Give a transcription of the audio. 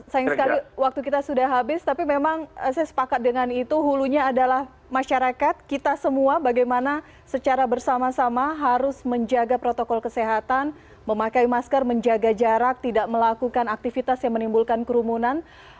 sayang sekali waktu kita sudah habis tapi memang saya sepakat dengan itu hulunya adalah masyarakat kita semua bagaimana secara bersama sama harus menjaga protokol kesehatan memakai masker menjaga jarak tidak melakukan aktivitas yang menimbulkan kerumunan